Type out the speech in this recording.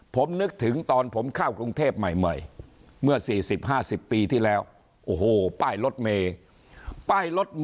ผมนึกถึงตอนผมเข้ากรุงเทพใหม่เมื่อ๔๐๕๐ปีที่แล้วโอ้โหป้ายรถเมย์